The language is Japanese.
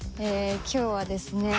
今日はですね